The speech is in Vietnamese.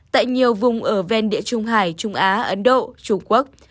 tại nhiều vùng ở ven địa trung hải trung á ấn độ trung quốc